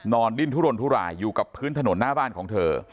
ดิ้นทุรนทุรายอยู่กับพื้นถนนหน้าบ้านของเธอ